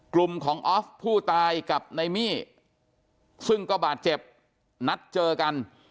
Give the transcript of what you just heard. กลุ่มของออฟผู้ตายกับนายมี่ซึ่งก็บาดเจ็บนัดเจอกัน